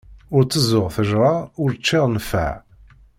Ur tteẓẓuɣ ṭejra ur ččiɣ nfeɛ.